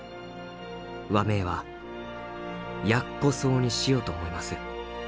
「和名は『ヤッコソウ』にしようと思います」。